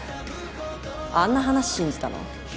あんな話信じたの？